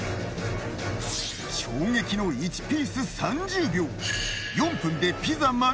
衝撃の１ピース３０秒。